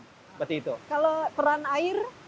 seperti itu kalau peran air